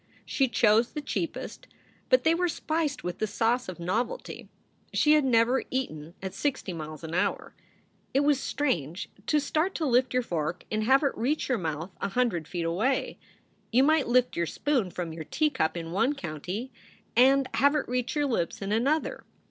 She chose the cheapest, but they were spiced with the sauce of novelty. She had never eaten at sixty miles an 58 SOULS FOR SALE hour. It was strange to start to lift your fork and have it reach your mouth a hundred feet away. You might lift your spoon from your teacup in one county and have it reach your lips in another.